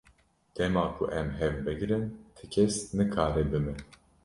Dema ku em hev bigrin ti kes nikare bi me.